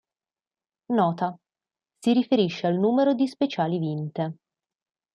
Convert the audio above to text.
Nota: si riferisce al numero di speciali vinte.